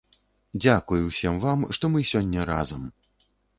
Дзякуй усім вам, што мы сёння разам!